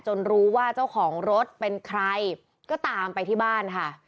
รู้ว่าเจ้าของรถเป็นใครก็ตามไปที่บ้านค่ะ